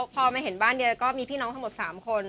พอมาเห็นบ้านเดียวก็มีพี่น้องทั้งหมด๓คน